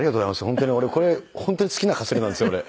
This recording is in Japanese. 本当に俺これ本当に好きなかすれなんですよこれ。